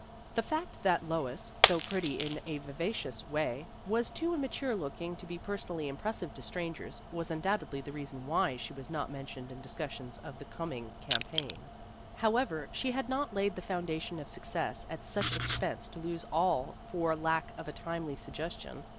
The fact that Lois, though pretty in a vivacious way, was too immature looking to be personally impressive to strangers, was undoubtedly the reason why she was The History of an Ambition 47 not mentioned in discussions of the com ing campaign. However, she had not laid the foundation of success at such ex pense to lose all for lack of a timely sug gestion.